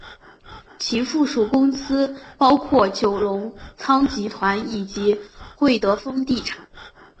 其附属公司包括九龙仓集团以及会德丰地产。